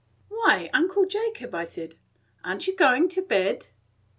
"Why, Uncle Jacob," said I, "are n't you going to bed?"